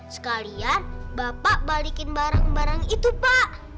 sekalian bapak balikin barang barang itu pak